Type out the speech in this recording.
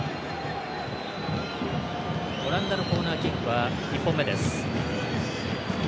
オランダのコーナーキックは１本目です。